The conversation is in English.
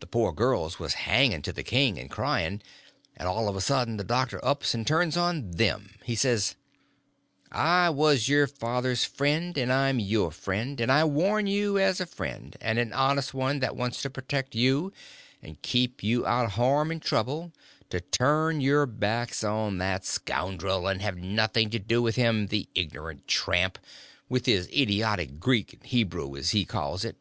The poor girls was hanging to the king and crying; and all of a sudden the doctor ups and turns on them. He says: "I was your father's friend, and I'm your friend; and I warn you as a friend, and an honest one that wants to protect you and keep you out of harm and trouble, to turn your backs on that scoundrel and have nothing to do with him, the ignorant tramp, with his idiotic Greek and Hebrew, as he calls it.